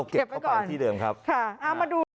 เก็บไว้ก่อนค่ะเอามาดูเอาเก็บเข้าไปที่เดิม